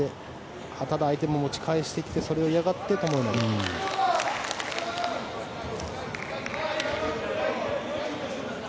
相手も持ち返してきてそれを嫌がって、ともえ投げ。